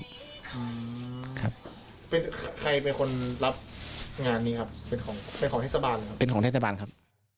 ใครเป็นคนรับงานนี้ครับเป็นของเทศบาลหรือครับเป็นของเทศบาลครับ